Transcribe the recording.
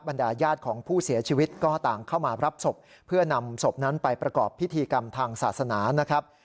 ญาติของผู้เสียชีวิตก็ต่างเข้ามารับศพเพื่อนำศพนั้นไปประกอบพิธีกรรมทางศาสนานะครับ